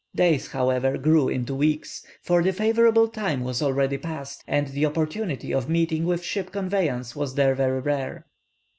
Days, however, grew into weeks, for the favourable time was already past, and the opportunity of meeting with ship conveyance was there very rare.